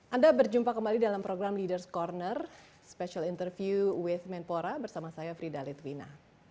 anda berjumpa kembali dalam program leaders ⁇ corner special interview waze menpora bersama saya frida litwina